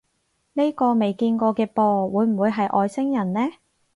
呢個未見過嘅噃，會唔會係外星人呢？